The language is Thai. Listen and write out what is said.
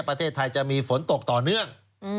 ประเทศไทยจะมีฝนตกต่อเนื่อง